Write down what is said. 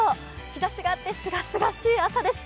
日ざしがあってすがすがしい朝です。